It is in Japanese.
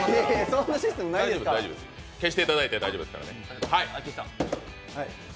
消していただいて大丈夫ですからね。